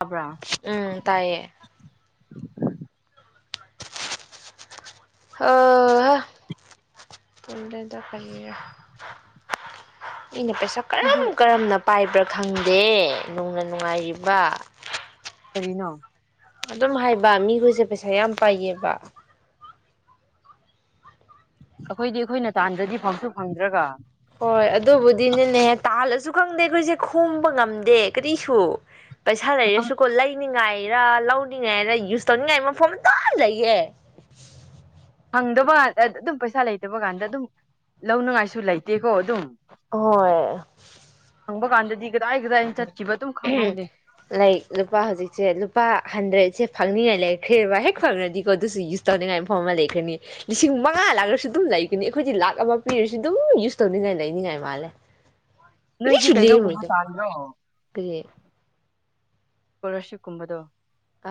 ꯇꯥꯕ꯭ꯔꯥ ꯎꯝ ꯇꯥꯏꯑꯌꯦ ꯑꯣ ꯄꯨꯗ ꯐ ꯑꯩꯅ ꯄꯩꯁꯥ ꯀꯔꯝ ꯀꯔꯝꯅ ꯄꯥꯏꯕ꯭ꯔꯥ ꯈꯪꯗꯦ ꯅꯅꯨꯡꯅ ꯅꯨꯡꯉꯥꯏꯔꯤꯕ ꯁꯔꯤꯅꯣ ꯑꯗꯨꯝ ꯍꯥꯏꯕ ꯃꯤꯈꯣꯏꯁꯦ ꯄꯩꯁꯥ ꯌꯥꯝ ꯄꯥꯏꯌꯦꯕ ꯑꯩꯈꯣꯏꯗꯤ ꯑꯩꯈꯣꯏꯅ ꯇꯥꯟꯗ꯭ꯔꯗꯤ ꯐꯪꯁꯨ ꯐꯪꯗ꯭ꯔꯒ ꯍꯣꯏ ꯑꯗꯨꯕꯨꯗꯤꯅꯦꯅꯦꯍꯦ ꯇꯥꯍꯜꯂꯁꯨ ꯈꯪꯗꯦ ꯑꯩꯈꯣꯏꯁꯦ ꯈꯣꯝꯕ ꯉꯝꯗꯦ ꯀꯔꯤꯁꯨ ꯄꯩꯁꯥ ꯂꯩꯔꯁꯨꯀꯣ ꯂꯩꯅꯤꯉꯥꯏ ꯔ ꯂꯧꯅꯤꯡꯉꯥꯏꯔ ꯌꯨꯁ ꯇꯧꯅꯤꯡꯉꯥꯏ ꯃꯐꯝꯇ ꯂꯩꯌꯦꯦ ꯐꯪꯗꯕ ꯀꯥꯟꯗ ꯑꯗꯨꯝ ꯄꯩꯁꯥ ꯂꯩꯇꯕ ꯀꯥꯟꯗ ꯑꯗꯨꯝ ꯂꯧꯅꯉꯥꯏꯁꯨ ꯂꯩꯇꯦꯀꯣ ꯑꯗꯨꯝ ꯍꯣꯏ ꯍꯪꯕ ꯀꯥꯟꯗꯗꯤ ꯀꯗꯥꯏ ꯀꯗꯥꯏꯅ ꯆꯠꯈꯤꯕ ꯑꯗꯨꯝ ꯈꯪꯍꯧꯗꯦ ꯂꯥꯏꯛ ꯂꯨꯄꯥ ꯍꯧꯖꯤꯛꯁꯦ ꯂꯨꯄꯥ ꯍꯟꯗ꯭ꯔꯦꯠ ꯁꯦ ꯐꯪꯅꯤꯡꯉꯥꯏ ꯂꯩꯈ꯭ꯔꯦꯕ ꯍꯦꯛ ꯐꯪꯈ꯭ꯔꯗꯤꯀꯣ ꯑꯗꯨꯁꯨ ꯌꯨꯁ ꯇꯧꯅꯤꯡꯉꯥꯏ ꯃꯐꯝ ꯑꯃ ꯂꯩꯈ꯭ꯔꯅꯤ ꯂꯤꯁꯤꯡ ꯃꯉꯥ ꯂꯥꯛꯂꯁꯨ ꯑꯗꯨꯝ ꯂꯩꯒꯅꯤ ꯑꯩꯈꯣꯏꯗꯤ ꯂꯥꯛ ꯑꯃ ꯄꯤꯔꯁꯨ ꯑꯗꯨꯝ ꯌꯨꯁ ꯇꯧꯅꯤꯡꯉꯥꯏ ꯂꯩꯅꯤꯡꯉꯥꯏ ꯃꯥꯜꯂꯦ ꯅꯣꯏꯗꯤ ꯀꯩꯅꯣꯒꯨꯝꯕ ꯇꯥꯗ꯭ꯔꯣ ꯀ ꯏꯁꯀꯣꯂꯔꯁꯤꯞꯀꯨꯝꯕꯗꯣ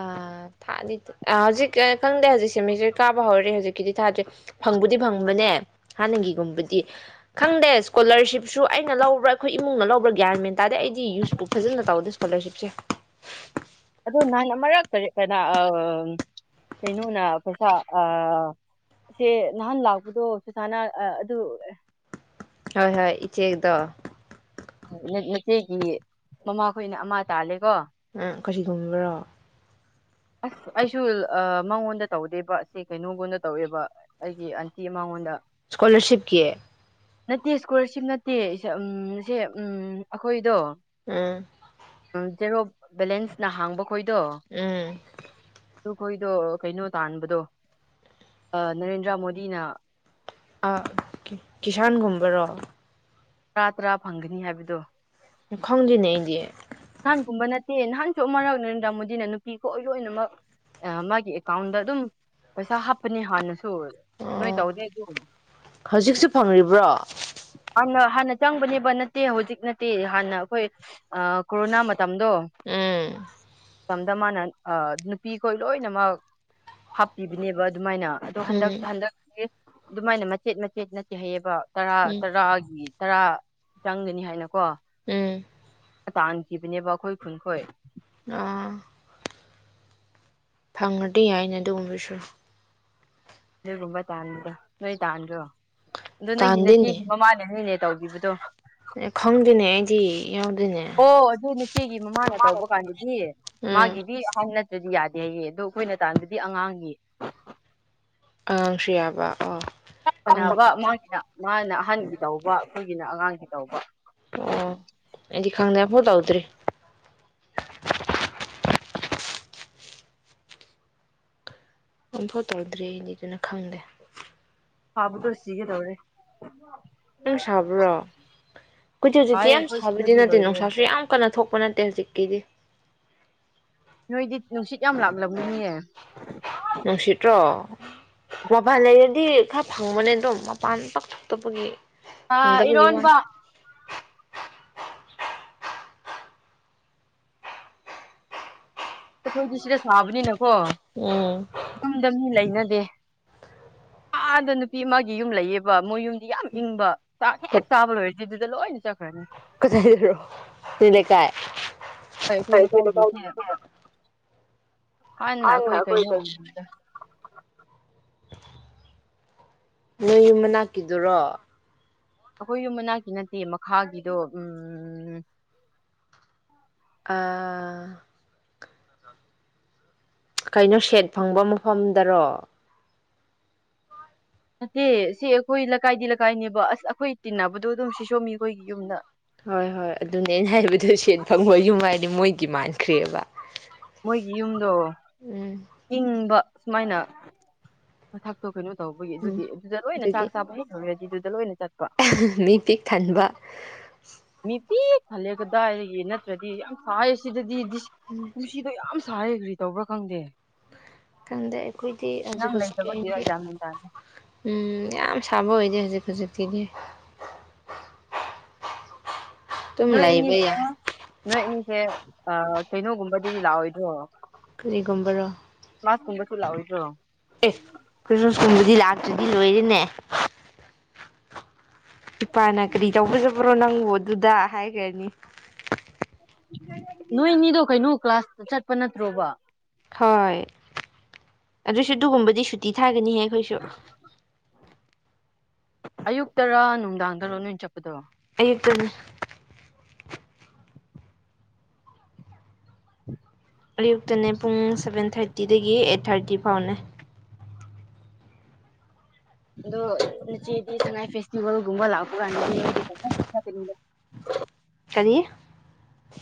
ꯑꯥ ꯊꯥꯗꯤ ꯍꯧꯖꯤꯛ ꯈꯪꯗꯦ ꯍꯧꯖꯤꯛ ꯁꯦꯃꯤꯁꯇꯔ ꯀꯥꯕ ꯍꯧꯔꯦ ꯍꯧꯖꯤꯛꯀꯤꯗꯤ ꯊꯥꯗ꯭ꯔꯦ ꯐꯪꯕꯨꯗꯤ ꯐꯪꯕꯅꯦ ꯍꯥꯟꯅꯒꯤꯒꯨꯝꯕꯗꯤ ꯈꯪꯗꯦ ꯏꯁꯀꯣꯂꯔꯁꯤꯞꯁꯨ ꯑꯩꯅ ꯂꯧꯕ꯭ꯔꯥ ꯑꯩꯈꯣꯏ ꯏꯃꯨꯡꯅ ꯂꯧꯕ꯭ꯔꯥ ꯒ꯭ꯌꯥꯟ ꯃꯦꯟ ꯇꯥꯔꯦ ꯑꯩꯗꯤ ꯌꯨꯁꯄꯨ ꯐꯖꯅ ꯇꯧꯗꯦ ꯏꯁꯀꯣꯂꯔꯁꯤꯞꯁꯦ ꯑꯗꯣ ꯅꯍꯥꯟ ꯑꯃꯛ ꯀꯔꯤ ꯀꯅꯥ ꯀꯩꯅꯣꯅ ꯄꯩꯁꯥ ꯁꯦ ꯅꯍꯥꯟ ꯂꯥꯛꯄꯗꯣ ꯆꯁꯥꯅ ꯑꯗꯨ ꯍꯣꯏ ꯍꯣꯏ ꯏꯆꯦꯗ ꯃꯆꯦꯒꯤ ꯃꯃꯥꯈꯣꯏꯅ ꯑꯃ ꯇꯥꯜꯂꯦꯀꯣ ꯑ ꯀꯔꯤꯒꯨꯝꯕ꯭ꯔꯣ ꯑꯁ ꯑꯩꯁꯨ ꯃꯉꯣꯟꯗ ꯇꯧꯗꯦꯕ ꯁꯤ ꯀꯩꯅꯣꯒꯣꯟꯗ ꯇꯧꯋꯦꯕ ꯑꯩꯒꯤ ꯑꯟꯇꯤ ꯃꯉꯣꯟꯗ ꯁ꯭ꯀꯣꯂꯔꯁꯤꯤꯞꯀꯤꯦ ꯅꯠꯇꯦ ꯏꯁꯀꯣꯂꯥꯔꯁꯤꯞ ꯅꯠꯇꯦ ꯎ ꯁꯦ ꯎꯝ ꯑꯩꯈꯣꯏꯗꯣ ꯎꯝ ꯎꯝ ꯖꯦꯔꯣ ꯕꯦꯂꯦꯟꯁꯅ ꯍꯥꯡꯕ ꯈꯣꯏꯗꯣ ꯎꯝ ꯑꯗꯨꯈꯣꯏꯗꯣ ꯀꯩꯅꯣ ꯇꯥꯟꯕꯗꯣ ꯅꯔꯦꯟꯗ꯭ꯔ ꯃꯣꯗꯤꯅ ꯑ ꯀꯤꯁꯥꯟꯒꯨꯝꯕꯔꯣ ꯇꯔꯥ ꯇꯔꯥ ꯐꯪꯒꯅꯤ ꯍꯥꯏꯕꯗꯣ ꯈꯪꯗꯦꯅꯦꯗꯤ ꯅꯍꯥꯟꯒꯨꯝꯕ ꯅꯠꯇꯦ ꯅꯍꯥꯟꯁꯨ ꯑꯃꯛ ꯅꯔꯦꯟꯗ꯭ꯔ ꯃꯣꯗꯤꯅ ꯅꯨꯄꯤꯈ ꯂꯣꯏꯅꯃꯛ ꯃꯥꯒꯤ ꯑꯦꯀꯥꯎꯟꯗ ꯑꯗꯨꯝ ꯄꯩꯁꯥ ꯍꯥꯞꯄꯅꯦ ꯍꯥꯟꯅꯁꯨ ꯅꯣꯏ ꯑꯣ ꯇꯧꯗꯦ ꯑꯗꯨ ꯍꯧꯖꯤꯛꯁꯨ ꯐꯪꯔꯤꯕ꯭ꯔꯣ ꯍꯥꯟꯅ ꯍꯥꯟꯅ ꯆꯪꯕꯅꯦꯕ ꯅꯠꯇꯦ ꯍꯧꯖꯤꯛ ꯅꯠꯇꯦ ꯍꯥꯟꯅ ꯑꯩꯈꯣꯏ ꯀꯣꯔꯣꯅꯥ ꯇꯝꯗꯣ ꯎꯝ ꯃꯇꯝꯗ ꯃꯥꯅ ꯅꯨꯄꯤꯈꯣꯏ ꯂꯣꯏꯅꯃꯛ ꯍꯥꯞꯄꯤꯕꯅꯦꯕ ꯑꯗꯨꯃꯥꯏꯅ ꯑꯗꯣ ꯍꯟꯗꯛ ꯎꯝ ꯍꯟꯗꯛ ꯑꯗꯨꯃꯥꯏꯅ ꯃꯆꯦꯠ ꯃꯆꯦꯠ ꯅꯠꯇꯦ ꯍꯥꯏꯩꯌꯦꯕ ꯇꯔꯥ ꯎꯝ ꯇꯔꯥꯒꯤ ꯇꯔꯥ ꯆꯪꯒꯅꯤ ꯍꯥꯏꯅꯀꯣ ꯎꯝ ꯇꯥꯟꯈꯤꯕꯅꯦꯕ ꯑꯩꯈꯣꯏ ꯈꯨꯟꯈꯣꯏ ꯑꯥ ꯐꯪꯉꯗꯤ ꯌꯥꯏꯅꯦ ꯑꯗꯨꯒꯨꯝꯕꯁꯨ ꯅꯣꯏꯒꯨꯝꯕ ꯇꯥꯟꯗ ꯅꯣꯏ ꯇꯥꯥꯟ꯭ꯔꯣ ꯑꯗꯨꯣ ꯅꯪꯒꯤ ꯅꯆꯦꯒꯤ ꯃꯃꯥꯅꯤꯅꯦ ꯇꯧꯈꯤꯕꯗꯣ ꯈꯪꯗꯅꯦ ꯑꯩꯗꯤ ꯌꯥꯎꯗꯦꯅꯦ ꯑꯣ ꯑꯗꯨ ꯅꯆꯦꯒꯤ ꯃꯃꯥꯅ ꯇꯧꯕ ꯀꯥꯟꯗꯗꯤ ꯎꯝ ꯃꯥꯒꯤꯗꯤ ꯍꯥꯟꯅ ꯑꯗꯨꯗꯤ ꯌꯥꯗꯦꯌꯦ ꯑꯗꯣ ꯑꯩꯈꯣꯏꯅ ꯇꯥꯟꯗꯗꯤ ꯑꯉꯥꯡꯒꯤ ꯑꯥꯉꯡꯁꯨ ꯌꯥꯕ ꯑꯣ ꯈꯪ ꯅꯕ ꯃꯥꯒꯤꯅ ꯃꯥꯅ ꯑꯍꯟꯒꯤ ꯇꯧꯕ ꯑꯩꯈꯣꯏꯒꯤꯅ ꯑꯉꯥꯡꯒꯤ ꯇꯧꯕ ꯑꯣ ꯑꯩꯗꯤ ꯈꯪꯗꯦ ꯐꯣꯟ ꯇꯧꯗ꯭ꯔꯤ ꯑꯣꯝꯐꯥꯎ ꯇꯧꯗ꯭ꯔꯤꯗꯤ ꯑꯗꯨꯅ ꯈꯪꯗꯦ ꯍꯥꯥꯕꯕꯨꯗ ꯁꯤꯒ ꯇꯧꯔꯦ ꯑꯪ ꯁꯥꯕ꯭ꯔꯣ ꯑꯩꯈꯖꯤꯗꯤ ꯍꯧꯖꯤꯛꯇꯤ ꯍꯥꯏ ꯌꯥꯝ ꯑꯩꯈꯣꯏ ꯁꯥꯕꯗꯤ ꯁꯤꯗꯗꯤ ꯅꯠꯇꯦ ꯂꯣꯏꯔꯦ ꯅꯨꯡꯁꯥꯁꯨ ꯌꯥꯝ ꯀꯟꯅ ꯊꯣꯛꯄ ꯅꯠꯇꯦ ꯍꯧꯖꯤꯛ ꯀꯤꯗꯤ ꯅꯣꯏꯗꯤ ꯅꯨꯡꯁꯤꯠ ꯌꯥꯝ ꯂꯥꯛꯂ ꯅꯨꯡꯁꯤꯇ꯭ꯔꯣ ꯃꯄꯥꯟ ꯂꯩꯔꯗꯤ ꯈꯔ ꯐꯪꯕꯅꯦ ꯑꯗꯨꯝ ꯃꯄꯥꯟ ꯄꯥꯛꯊꯣꯛꯇꯕꯒꯤ ꯑ ꯏꯔꯣꯟꯕ ꯈꯣꯏ ꯁꯤꯗ ꯁꯥꯕꯅꯤ ꯅ ꯑꯣ ꯎꯝ ꯌꯨꯝꯗ ꯃꯤ ꯂꯩꯅ ꯑꯗ ꯅꯨꯄꯤ ꯑꯃꯒꯤ ꯌꯨꯝ ꯂꯩꯌꯦꯕ ꯃꯣꯏ ꯌꯨꯝꯗꯤ ꯌꯥꯝ ꯏꯪꯕ ꯆꯥꯛ ꯍꯦꯛ ꯆꯥꯕ ꯂꯣꯏꯔꯗꯤ ꯑꯗꯨꯗꯨꯗ ꯂꯣꯏꯅ ꯆꯠꯈ꯭ꯔꯅꯤ ꯀꯥꯏꯗꯔꯣ ꯁꯤ ꯂꯩꯀꯥꯏ ꯑꯩꯈꯣꯏ ꯀꯥꯏ ꯊꯣꯏꯗ ꯂꯩꯀꯥꯏꯒꯤꯁꯦ ꯇꯥꯎꯗ ꯍꯥꯟꯅ ꯑꯩꯈꯣꯏ ꯀꯩꯅꯣꯗ ꯅꯣꯏ ꯌꯨꯝ ꯃꯅꯥꯛꯀꯤꯗꯨꯔꯣ ꯑꯩꯈꯣꯏ ꯌꯨꯝ ꯃꯅꯥꯛꯀꯤ ꯅꯠꯇꯦ ꯃꯈꯥꯒꯤꯗꯣ ꯎꯝ ꯑꯥ ꯀꯩꯅꯣ ꯁꯦꯠ ꯐꯪꯕ ꯃꯐꯝꯗꯔꯣ ꯅꯠꯇꯦ ꯁꯤ ꯑꯩꯈꯣꯏ ꯂꯩꯀꯥꯏꯗꯤ ꯂꯩꯀꯥꯏꯅꯦꯕ ꯑꯁ ꯑꯩꯈꯣꯏ ꯇꯤꯟꯅꯕꯗꯣ ꯑꯗꯨꯝ ꯁꯤ ꯁꯣꯝꯃꯤ ꯑꯩꯈꯣꯏꯒꯤ ꯌꯨꯝꯗ ꯍꯣꯏ ꯍꯣꯏ ꯑꯗꯨꯅꯦ ꯑꯩꯅ ꯍꯥꯏꯕꯗꯨ ꯁꯦꯟ ꯐꯪꯕ ꯌꯨꯝ ꯍꯥꯏꯗꯤ ꯃꯣꯏꯗꯤ ꯃꯥꯟꯈ꯭ꯔꯦꯕ ꯃꯣꯏꯒꯤ ꯌꯨꯝꯗꯣ ꯎꯝ ꯏꯪꯕ ꯁꯨꯃꯥꯏꯅ ꯃꯊꯛꯇꯣ ꯀꯩꯅꯣ ꯇꯧꯕꯒꯤ ꯎꯝ ꯑꯗꯨꯗꯤ ꯑꯗꯨꯗ ꯂꯣꯏꯅ ꯑꯗꯨꯒꯤ ꯆꯥꯛ ꯆꯥꯕ ꯑꯗꯨꯗ ꯂꯣꯏꯅꯦ ꯃꯤ ꯄꯤꯛ ꯊꯟꯕ ꯃꯤ ꯄꯤ ꯈꯜꯂꯦ ꯀꯗꯥꯏꯒꯤ ꯅꯠꯇ꯭ꯔꯗꯤ ꯌꯥꯝ ꯁꯥꯏ ꯁꯤꯗꯗꯤ ꯄꯨꯟꯁꯤꯗꯣ ꯌꯥꯝ ꯀꯔꯤ ꯇꯧꯕ꯭ꯔꯥ ꯈꯪꯗꯦ ꯈꯪꯗꯦ ꯑꯩꯈꯣꯏꯗꯤ ꯍꯧꯖꯤꯛ ꯅꯪ ꯍꯧꯖꯤꯛꯀꯤ ꯂꯩꯇꯕꯒꯤꯔ ꯑꯩꯗꯤ ꯒ꯭ꯌꯥꯟ ꯃꯦꯟ ꯇꯥꯗꯦ ꯎ ꯌꯥꯝ ꯁꯥꯕ ꯑꯣꯏꯗꯦ ꯍꯧꯖꯤꯛ ꯍꯧꯖꯤꯛꯇꯤꯅꯦ ꯅꯣꯏ ꯏꯅꯤꯁꯦ ꯅꯣꯏ ꯑꯅꯤꯁꯦ ꯑ ꯀꯩꯅꯣꯒꯨꯝꯕꯗꯤꯗꯤ ꯂꯥꯛꯑꯣꯏꯗ꯭ꯔꯣ ꯀꯔꯤꯒꯨꯝꯕꯔꯣ ꯃꯥꯁꯀꯨꯝꯕꯁꯨ ꯂꯥꯛꯑꯣꯏꯗ꯭ꯔꯣ ꯑꯦ ꯀ꯭ꯔꯤꯁꯃꯁ ꯀꯨꯝꯕꯗꯤ ꯂꯥꯛ ꯑꯗꯨꯗꯤ ꯂꯣꯏꯔꯅꯦ ꯏꯄꯥꯅ ꯛꯔꯤ ꯇꯧꯕꯗꯣꯕꯔꯣ ꯅꯪ ꯑꯣ ꯑꯗꯨꯗ ꯍꯥꯏꯈ꯭ꯔꯅꯤ ꯅꯣꯏꯅꯤꯗꯣ ꯀꯩꯅꯣ ꯀ꯭ꯂꯥꯁꯇ ꯆꯠꯄ ꯅꯠꯇ꯭ꯔꯣꯕ ꯍꯣꯏ ꯑꯗꯨꯁꯨ ꯑꯗꯨꯒꯨꯝꯕꯗꯤ ꯁꯨꯇꯤ ꯊꯥꯒꯅꯤ ꯍꯦꯛ ꯈꯣꯏꯁꯨ ꯑꯌꯨꯛꯇꯔ ꯅꯨꯡꯗꯥꯡꯗꯔꯣ ꯅꯣꯏꯅ ꯆꯠꯄ ꯑꯌꯨꯛꯇꯅꯦ ꯎ ꯑꯌꯨꯛꯇꯅꯦ ꯄꯨꯡ ꯁꯚꯦꯟ ꯊꯥꯔꯇꯤꯗꯒꯤ ꯑꯩꯠ ꯊꯥꯔꯇꯤ ꯐꯥꯎꯅꯦ ꯑꯗꯣ ꯎꯆꯆꯦꯗꯤ ꯁꯉꯥꯏ ꯐꯦꯁꯇꯤꯚꯦꯜꯒꯨꯝꯕ ꯂꯥꯛꯄ ꯀꯥꯟꯗꯗꯤ ꯅꯣꯏꯒꯤꯊꯀꯅꯤꯗ ꯗꯤ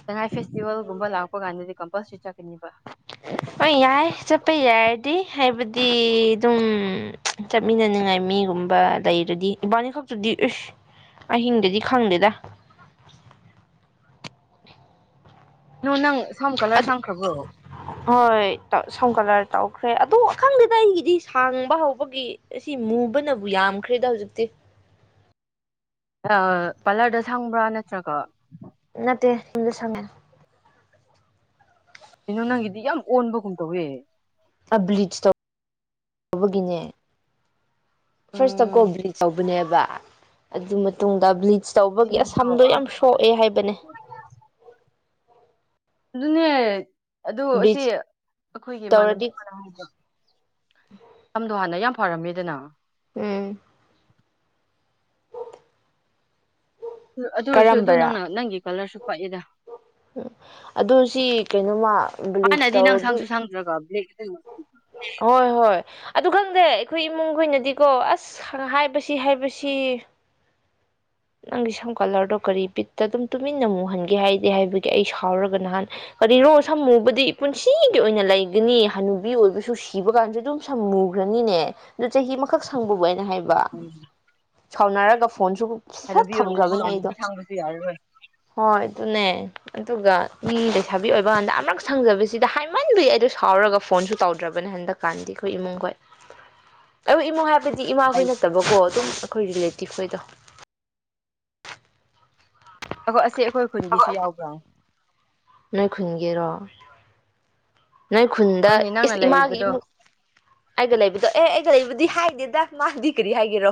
ꯁꯉꯥꯏ ꯐꯦꯁꯇꯤꯚꯦꯜꯒꯨꯝꯕ ꯂꯥꯛꯄ ꯀꯥꯟꯗꯗꯤ ꯀꯝꯄꯜꯁꯔꯤ ꯆꯠꯀꯅꯤꯕ ꯍꯣꯏ ꯌꯥꯏ ꯆꯠꯄ ꯌꯥꯔꯗꯤ ꯍꯥꯏꯕꯗꯤ ꯑꯗꯨꯝ ꯆꯠꯃꯤꯟꯅꯅꯤꯡꯉꯥꯏ ꯃꯤꯒꯨꯝꯕ ꯂꯩꯔꯗꯤ ꯏꯕꯥꯅꯤ ꯈꯛꯇꯨꯗꯤ ꯎꯁ ꯑꯍꯤꯡꯗꯨꯗꯤ ꯈꯪꯗꯦꯗ ꯅꯣ ꯅꯪ ꯁꯝ ꯀꯂꯔ ꯑꯗꯨ ꯁꯪꯈ꯭ꯔꯕ꯭ꯔꯣ ꯍꯣꯏ ꯁꯝꯀꯂꯥꯔ ꯇꯧꯈ꯭ꯔꯦ ꯑꯗꯣ ꯑꯈꯪꯗꯗ ꯑꯩꯒꯤꯗꯤ ꯁꯥꯡꯕ ꯍꯧꯕꯒꯤ ꯑꯁꯤ ꯃꯨꯕꯅꯕꯨ ꯌꯥꯝꯈ꯭ꯔꯦꯗ ꯍꯧꯖꯤꯛꯇꯤ ꯑ ꯄꯥꯔꯂꯔꯗ ꯁꯪꯕ꯭ꯔꯥ ꯅꯠꯇ꯭ꯔꯒ ꯅꯠꯇꯦ ꯍ ꯁꯒꯦꯟ ꯀꯩꯅꯣ ꯅꯪꯒꯤꯗꯤ ꯌꯥꯝ ꯑꯣꯟꯕꯒꯨꯝ ꯇꯧꯋꯦ ꯕ꯭ꯂꯤꯆ ꯇꯧ ꯇꯧꯕꯒꯤꯅꯦ ꯐꯥꯔꯁꯇ ꯀꯣꯕꯔꯤ ꯇꯧꯕꯅꯦꯕ ꯑꯗꯨ ꯃꯇꯨꯡꯗ ꯕ꯭ ꯁꯤ ꯇꯧꯕꯒꯤ ꯅꯪꯒꯤꯗꯣ ꯑꯁꯝꯗꯣ ꯑꯥ ꯌꯥꯝ ꯀꯩꯅꯣꯗ ꯁꯣꯛꯑꯦ ꯍꯥꯏꯕꯅꯦ ꯑꯗꯨꯅꯦ ꯑꯗꯨ ꯁꯤ ꯕ꯭ꯂꯤꯆ ꯑꯩꯈꯣꯏꯒꯤ ꯏꯃꯅꯕꯤ ꯇꯧꯔꯗꯤ ꯍꯥꯏ ꯂꯝꯗꯣ ꯍꯥꯟꯅ ꯌꯥꯝ ꯐꯔꯝꯃꯤꯗꯅ ꯎꯝ ꯑꯗꯨ ꯑꯣꯏꯁꯨ ꯑꯗꯨ ꯅꯪꯅ ꯅꯪꯒꯤ ꯀꯂꯔꯁꯨ ꯄꯛꯑꯦꯗ ꯎꯝ ꯑꯗꯨ ꯁꯤ ꯀꯩꯅꯣꯃ ꯕꯤꯂꯤꯞ ꯇꯧꯔꯗꯤ ꯎ ꯍꯣꯏ ꯍꯣꯏ ꯑꯗꯨ ꯈꯪꯗꯦ ꯑꯩꯈꯣꯏ ꯏꯃꯨꯡꯈꯣꯏ ꯑꯣꯏꯅꯗꯤꯀꯣ ꯑꯁ ꯍꯥꯏꯕꯁꯤ ꯍꯥꯏꯕꯁꯤ ꯅꯪꯒꯤ ꯁꯝ ꯀꯂꯔꯗꯣ ꯀꯔꯤ ꯄꯤꯠꯇ ꯑꯗꯨꯝ ꯇꯨꯃꯤꯟꯅ ꯃꯨꯍꯟꯒꯦ ꯍꯥꯏꯗꯦ ꯍꯥꯏꯕꯒꯤ ꯑꯩ ꯁꯥꯎꯔꯒ ꯅꯍꯥꯟ ꯀꯔꯤꯅꯣ ꯁꯝ ꯃꯨꯕꯗꯤ ꯄꯨꯟꯁꯤꯒꯤ ꯑꯣꯏꯅ ꯂꯩꯒꯅꯤ ꯍꯅꯨꯕꯤ ꯑꯣꯏꯕꯁꯨ ꯁꯤꯕ ꯀꯥꯟꯁꯨ ꯑꯗꯨꯝ ꯁꯝ ꯃꯨꯈ꯭ꯔꯅꯤꯅꯦ ꯑꯗꯨ ꯆꯍꯤ ꯑꯃꯈꯛ ꯁꯪꯕꯕꯨ ꯍꯥꯏꯅ ꯍꯥꯏꯕ ꯍꯝ ꯁꯥꯎꯅꯔꯒ ꯐꯣꯟꯁꯨ ꯐꯠ ꯀꯅꯕꯤꯤꯌꯛꯑꯣ ꯊꯝꯈ꯭ꯔꯕꯅꯦ ꯃꯉꯗꯤ ꯑꯩꯗꯣ ꯁꯥꯡꯕꯁꯨ ꯌꯥꯔꯔꯣꯏ ꯍꯣꯏ ꯑꯗꯨꯅꯦ ꯑꯗꯨꯒ ꯃꯤ ꯂꯩꯁꯥꯕꯤ ꯑꯣꯏꯕ ꯀꯥꯟꯗ ꯑꯃꯔꯛ ꯁꯪꯖꯕꯁꯤꯗ ꯍꯥꯏꯃꯟꯕꯤ ꯑꯩꯗꯣ ꯁꯥꯎꯔꯒ ꯐꯣꯟꯁꯨ ꯇꯧꯗ꯭ꯔꯕꯅꯦ ꯍꯟꯗꯛꯀꯥꯟꯗꯤ ꯑꯩꯈꯣꯏ ꯏꯃꯨꯡꯈꯣꯏ ꯑꯩ ꯏꯃꯨꯡ ꯍꯥꯏꯕ ꯍꯥꯏꯕꯗꯤ ꯏꯃꯥꯈꯣꯏ ꯅꯠꯇꯕꯀꯣ ꯑꯗꯨꯝ ꯑꯩꯈꯣꯏ ꯔꯤꯂꯦꯇꯤ ꯇꯈꯣꯏꯗ ꯑꯣ ꯑꯁꯤ ꯑꯩꯈꯣꯏ ꯈꯨꯟꯒꯤꯁꯨ ꯌꯥꯎꯕ꯭ꯔꯥ ꯅꯣꯏ ꯈꯨꯟꯒꯤꯔꯣ ꯅꯣꯏ ꯈꯨꯟꯗ ꯍꯣꯏꯅꯦ ꯅꯪꯅ ꯏꯁ ꯏꯃꯥꯒꯤ ꯂꯩꯔꯤꯕꯗꯣ ꯏꯃꯨꯡ ꯑꯩꯒ ꯂꯩꯕꯗꯣ ꯑꯦ ꯑꯩ ꯀ ꯂꯩꯕꯨꯗꯤ ꯍꯥꯏꯗꯦꯗ ꯃꯥꯗꯤ ꯀꯔꯤ ꯍꯥꯏꯒꯦꯔꯣ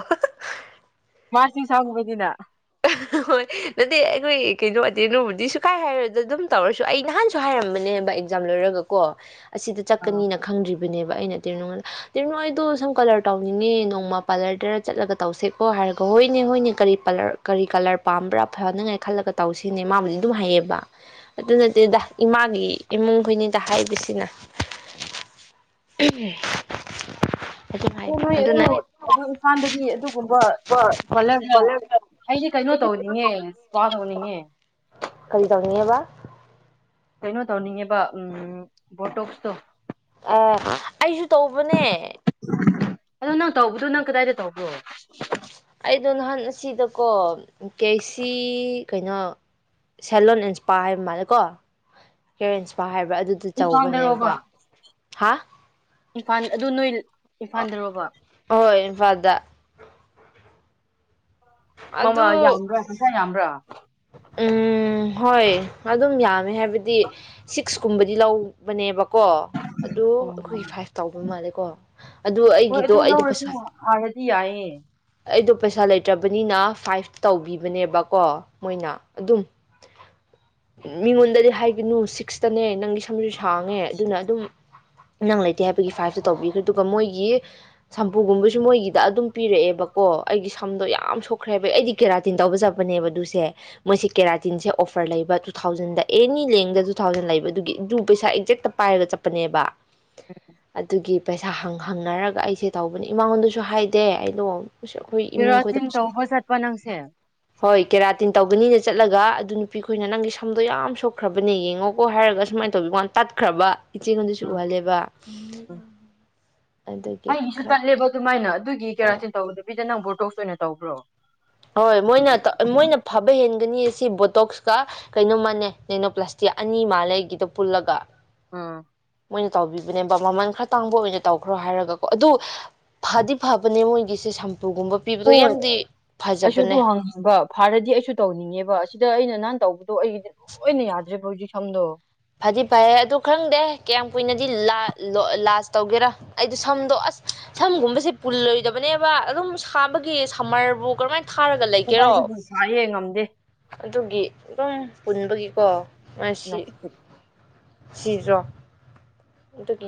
ꯃꯥꯔꯁꯤ ꯁꯥꯥꯡꯕꯗꯤꯅ ꯍꯣꯏ ꯅꯠꯇꯦ ꯑꯩꯈꯣꯏ ꯀꯩꯅꯣ ꯑꯇꯦꯅꯣꯕꯨꯗꯤ ꯁꯨꯀꯥꯏ ꯍꯥꯏꯔꯗ ꯑꯗꯨꯝ ꯇꯧꯔꯁꯨ ꯑꯩ ꯅꯍꯥꯟꯁꯨ ꯍꯥꯏꯔꯝꯕꯅꯦꯕ ꯑꯦꯛꯖꯥꯝ ꯂꯣꯏꯔꯒꯀꯣ ꯑꯁꯤꯗ ꯑꯥ ꯆꯠꯀꯅꯤꯅ ꯈꯪꯗ꯭ꯔꯤꯕ ꯑꯣꯏꯕꯅꯦꯕ ꯑꯩꯅ ꯇꯤꯔꯤꯅꯨꯡꯣꯗ ꯇꯤꯔꯤꯅꯣ ꯑꯩꯗꯣ ꯁꯨꯝ ꯀꯂꯔ ꯇꯧꯅꯤꯡꯉꯤ ꯅꯣꯡꯃ ꯄꯥꯔꯂꯔꯗ ꯆꯠꯂꯒ ꯇꯧꯁꯦꯀꯣ ꯍꯥꯏꯔꯒ ꯍꯣꯏꯅꯦ ꯍꯣꯏꯅꯦ ꯀꯔꯤ ꯄꯥꯂꯔ ꯀꯔꯤ ꯀꯂꯔ ꯄꯥꯝꯕ꯭ꯔꯥ ꯐꯅꯉꯥꯏ ꯈꯜꯂꯒ ꯇꯧ ꯁꯤꯅꯦ ꯏ ꯃꯥꯕꯨꯗꯤ ꯑꯗꯨꯝ ꯍꯩꯌꯦꯕ ꯑꯗꯨ ꯅꯠꯇꯦꯗ ꯏꯃꯥꯒꯤ ꯏꯃꯨꯡ ꯈꯣꯏꯅꯤꯗ ꯍꯥꯏꯗꯁꯤꯅ ꯅꯣꯏ ꯑꯗꯨ ꯑꯗꯨ ꯏꯝꯐꯥꯜꯗꯗꯤ ꯑꯗꯨꯒꯨꯝꯕ ꯈꯂꯒ ꯀꯂꯔꯗꯣ ꯑꯩꯁꯦ ꯀꯩꯅꯣ ꯇꯧꯅꯤꯡꯉꯦ꯭ ꯇꯧꯅꯤꯡꯉꯦ ꯌꯥꯕ ꯀꯩꯅꯣ ꯇꯧꯅꯤꯡꯉꯦꯕ ꯎ ꯕꯣꯇꯣꯛꯁꯇꯣ ꯑ ꯑꯩꯁꯨ ꯇꯧꯕꯅꯦ ꯑꯗꯣ ꯅꯪ ꯇꯧꯕꯗꯨꯣ ꯅꯪ ꯀꯗꯥꯏꯗ ꯇꯧꯕꯣ ꯑꯩꯗꯣ ꯅ ꯍꯥꯟ ꯁꯤꯗꯀꯣ ꯀꯦꯁꯤ ꯀꯩꯅꯣ ꯁꯦꯂꯣꯟ ꯏꯟꯁꯄꯥꯔ ꯍꯥꯏꯕ ꯃꯥꯜꯂꯦꯀꯣ ꯍꯦꯌꯔ ꯏꯟꯁꯄꯥꯔ ꯍꯥꯏꯕ꯭ꯔꯥ ꯑꯗꯨ ꯑꯗꯨꯗ ꯏꯝꯐꯥꯜꯗꯔꯣꯕ ꯇꯧꯕꯅꯦꯕ ꯍꯥ ꯏꯝꯐꯥꯜ ꯑꯗꯨ ꯅꯣꯏ ꯏꯝꯐꯥꯜꯗꯔꯣꯕ ꯍꯣꯏ ꯏꯟꯐꯥꯜꯗ ꯃꯃ ꯑꯗꯨ ꯌꯥꯝꯗꯁ ꯌꯥꯝ ꯍꯥ꯭ꯔꯥ ꯎꯝ ꯍꯣꯏ ꯑꯗꯨꯝ ꯌꯥꯝꯃꯦ ꯍꯥꯏ ꯍꯥꯏꯗꯤ ꯁꯤꯁ ꯀꯨꯝꯕꯗꯤ ꯂꯧꯕꯅꯦꯕ ꯀꯣ ꯑꯗꯨ ꯑꯣ ꯑꯩꯈꯣꯏꯒꯤ ꯐꯥꯏꯚ ꯇꯥꯎꯕ ꯃꯥꯜꯂꯦ ꯀꯣ ꯑꯗꯨ ꯍꯣꯏ ꯑꯩꯒꯤꯗꯣ ꯑꯗꯨꯝ ꯑꯩꯗ ꯂꯧꯔꯁꯨ ꯄꯩꯁꯨ ꯍꯥꯏ ꯍꯥꯟꯅꯗꯤ ꯌꯥꯏꯌꯦ ꯑꯩꯗꯣ ꯄꯩꯁꯥ ꯂꯩꯇ꯭ꯔꯕꯅꯤꯅ ꯐꯥꯏꯚ ꯇꯧꯕꯤꯕꯅꯦꯕꯀꯣ ꯃꯣꯏꯅ ꯑꯗꯨꯝ ꯃꯤꯉꯣꯟꯗꯗꯤ ꯍꯥꯏꯒꯅꯨ ꯁꯤꯛꯁꯇꯅꯦ ꯅꯪ ꯁꯝꯁꯨ ꯁꯥꯡꯉꯦ ꯑꯗꯨꯅ ꯑꯗꯨꯝ ꯅꯪ ꯂꯩꯇꯦ ꯍꯥꯏꯕꯒꯤ ꯐꯥꯏꯞꯇ ꯇꯧꯕꯤꯈ꯭ꯔꯦ ꯑꯗꯨꯒ ꯃꯣꯏꯒꯤ ꯁꯝꯄꯨꯒꯨꯝꯕꯁꯨ ꯃꯣꯏꯒꯤꯗ ꯑꯗꯨꯝ ꯄꯤꯔꯛꯑꯦꯕ ꯀꯣ ꯑꯩꯒꯤ ꯁꯝꯗꯣ ꯌꯥꯝ ꯁꯣꯛꯈ꯭ꯔꯦꯕ ꯑꯩꯗꯤ ꯀꯦꯔꯥꯇꯤꯟ ꯇꯧꯕ ꯆꯠꯄꯅꯦꯕ ꯑꯗꯨꯁꯦ ꯁꯦ ꯃꯣꯏꯁꯦ ꯀꯦꯔꯥꯇꯤꯟꯁꯦ ꯑꯣꯐꯔ ꯂꯩꯕ ꯇꯨ ꯊꯥꯎꯖꯟꯗ ꯑꯦꯅꯤ ꯂꯦꯡꯗ ꯇꯨ ꯊꯥꯎꯖꯟ ꯂꯩꯕ ꯑꯗꯨꯒꯤ ꯑꯗꯨ ꯄꯩꯁꯥ ꯑꯦꯛꯖꯦꯛꯇ ꯄꯥꯏꯔꯒ ꯆꯠꯄꯅꯦꯕ ꯑꯗꯨꯒꯤ ꯄꯩꯁꯥ ꯍꯪ ꯍꯪꯅꯔꯒ ꯑꯩꯁꯦ ꯇꯧꯕꯅꯤ ꯏꯃꯥꯉꯣꯟꯗꯁꯨ ꯍꯥꯏꯗꯦ ꯑꯩꯗꯣ ꯑꯩꯈꯣꯏ ꯏꯃꯨꯡ ꯈꯣꯏꯗ ꯐꯦꯔꯣꯊꯤꯟ ꯄꯩꯁꯥ ꯇꯧꯕ ꯆꯠꯄ ꯅꯪꯁꯦ ꯀꯥꯇꯤꯟ ꯇꯧꯒꯅꯤꯅ ꯆꯠꯂꯒ ꯑꯗꯨ ꯅꯨꯄꯤ ꯈꯣꯏꯅ ꯅꯪꯒꯤ ꯁꯝꯗꯣ ꯌꯥꯝ ꯁꯣꯛꯈ꯭ꯔꯕꯅꯦ ꯌꯦꯡꯉꯣꯀꯣ ꯍꯥꯏꯔꯒ ꯁꯨꯃꯥꯏꯅ ꯇꯧꯕꯤꯀꯥꯟ ꯇꯠꯈ꯭ꯔꯕ ꯏꯆꯦꯉꯣꯟꯗꯁꯨ ꯎꯝ ꯎꯍꯜꯂꯦꯕ ꯎꯝ ꯑꯗꯨꯒꯤ ꯑꯩꯒꯤꯁꯨ ꯈꯔ ꯇꯠꯂꯦꯕ ꯑꯗꯨꯃꯥꯏꯅ ꯑꯗꯨꯒꯤ ꯑꯥ ꯀꯦꯔꯥꯊꯤꯟ ꯇꯧꯒꯗꯕꯤ ꯁꯤꯦ ꯅꯪ ꯕꯣꯔꯇꯣꯛꯁ ꯑꯣꯏꯅ ꯇꯧꯕ꯭ꯔꯣ ꯍꯣꯏ ꯃꯣꯏꯅ ꯃꯣꯏꯅ ꯐꯕ ꯍꯦꯟꯒꯅꯤ ꯁꯤ ꯕꯣꯇꯣꯛꯁꯀ ꯀꯩꯅꯣꯃꯥꯟꯅꯦ ꯅꯩꯅꯣ ꯄ꯭ꯂꯥꯁꯇꯤꯛ ꯑꯅꯤ ꯃꯥꯜꯂꯒꯤꯗ ꯄꯨꯜꯂꯒ ꯑꯥ ꯃꯣꯏꯅ ꯇꯧꯕꯤꯕꯅꯦꯕ ꯃꯃꯜ ꯈꯔ ꯇꯥꯡꯕ ꯑꯣꯏꯅ ꯇꯧꯈ꯭ꯔꯣ ꯍꯥꯏꯔꯒꯀꯣ ꯑꯗꯨ ꯐꯗꯤ ꯐꯕꯅꯦ ꯃꯣꯏꯒꯤꯁꯦ ꯎꯨꯒꯨꯝꯕ ꯄꯤꯕꯗꯣ ꯍꯣꯏ ꯌꯥꯝꯗꯤ ꯑꯩꯁꯨ ꯑꯗꯨ ꯐꯖꯕꯅꯦ ꯍꯪꯉꯕ ꯐꯥꯔꯗꯤ ꯑꯩꯁꯨ ꯇꯧꯅꯤꯡꯉꯦꯕ ꯁꯤꯗ ꯑꯩꯅ ꯑꯩꯅ ꯅꯍꯥꯟ ꯇꯧꯕꯗꯣ ꯑꯩꯒꯤꯗꯤ ꯂꯣꯏꯅ ꯌꯥꯗ꯭ꯔꯦꯕ ꯍꯧꯖꯤꯛ ꯁꯝꯗꯣ ꯐꯗꯤ ꯐꯩꯦ ꯑꯗꯨ ꯈꯪꯗꯦ ꯀꯌꯥꯝ ꯀꯨꯏꯅꯗꯤ ꯂꯥꯁ ꯇꯧꯒꯦꯔꯥ ꯑꯩꯗꯣ ꯁꯝꯗꯣ ꯑꯁ ꯁꯝꯒꯨꯝꯕꯁꯦ ꯄꯨꯜꯂꯣꯏꯗꯕꯅꯦꯕ ꯑꯗꯨꯝ ꯁꯥꯕꯒꯤ ꯁꯝꯃꯔꯕꯨ ꯀꯔꯝꯃꯥꯏꯅ ꯊꯥꯔꯒ ꯂꯩꯒꯦꯔꯣ ꯀꯗꯥꯏꯗꯒꯤ ꯁꯥꯏꯌꯦ ꯉꯝꯗꯦ ꯑꯗꯨꯒꯤ ꯑꯗꯨꯝ ꯄꯨꯟꯕꯒꯤꯀꯣ ꯃꯁꯤ ꯅꯥꯁꯤꯛꯇꯣ꯫ ꯁꯤꯔꯣ ꯗ ꯀ